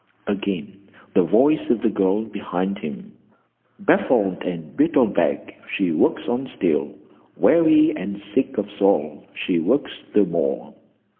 Again the voice of the girl behind him— "Baffled and beaten back, she works on still; Weary and sick of soul, she works the more.